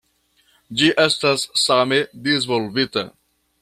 Ĝi estas same disvolvita.